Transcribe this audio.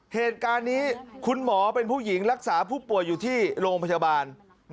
เหตุการณ์นี้คุณหมอเป็นผู้หญิงรักษาผู้ป่วยอยู่ที่โรงพยาบาล